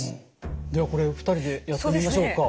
じゃあこれ２人でやってみましょうか。